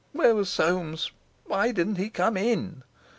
Where was Soames? Why didn't he come in?...